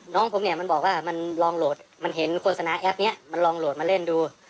น้องผมเนี่ยมันบอกว่ามันลองโหลดมันเห็นโฆษณาแอปเนี้ยมันลองโหลดมาเล่นดู